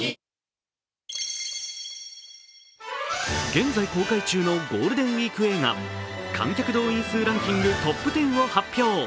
現在公開中のゴールデンウイーク映画、観客動員数ランキングトップ１０を発表。